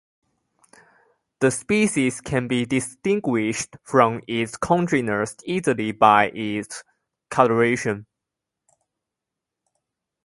The species can be distinguished from its congeners easily by its coloration.